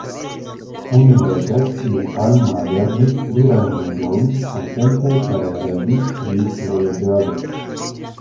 Oni legas kiel Alma lernis plurajn lingvojn samtempe kaj revis pri vojaĝado.